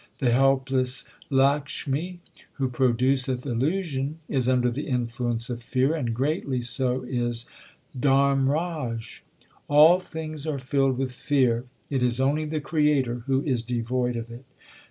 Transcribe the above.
The helpless Lakshmi 1 who produceth illusion is under the influence of fear, and greatly so is Dharmraj . All things are filled with fear it is only the Creator who is devoid of it.